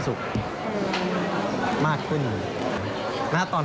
กุ๊บกิ๊บขอสงวนท่าที่ให้เวลาเป็นเครื่องที่สุดไปก่อน